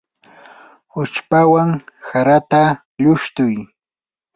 uchpawan harata llushtuy.